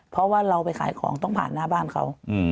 เพราะว่าเราไปขายของต้องผ่านหน้าบ้านเขา